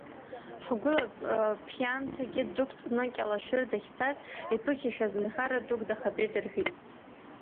Ҳгәыла Ԥианцагьы дықәҵны Кьалашәыр дахьцаз, иԥыхьашәаз нхара дук дахатәеит рҳәеит!